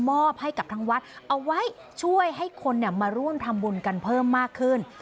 มอบให้กับทางวัดเอาไว้ช่วยให้คนมาร่วมทำบุญกันเพิ่มมากขึ้น